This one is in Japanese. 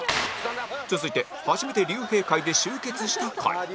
続いて初めて竜兵会で集結した回